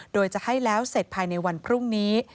โดยจะให้แล้วเสร็จภายในวันพรุ่งนี้